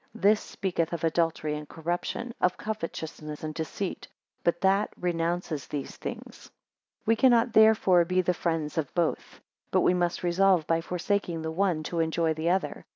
This speaketh of adultery and corruption, of covetousness and deceit; but that renounces these things. 7 We cannot, therefore, be the friends of both; but we must resolve by forsaking the one, to enjoy the other.